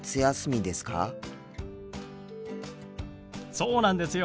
そうなんですよ。